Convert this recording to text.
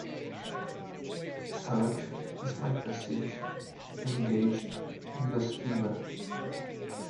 Such is my passage engaged on the steamer.